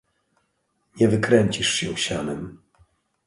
"Nie wykręcisz się sianem."